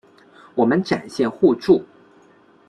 我们展现互助